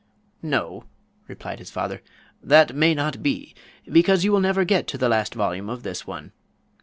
"No," replied his father, "that may not be; because you will never get to the last volume of this one.